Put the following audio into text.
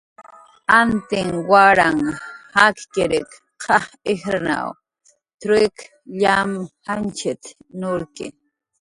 "Antin waran jakkiriq q'aj ijrnaw truik llam janchit"" nurki"